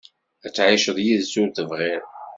Ad tɛiceḍ yid-s ur tebɣiḍ.